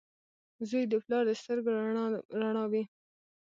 • زوی د پلار د سترګو رڼا وي.